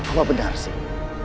apa benar sih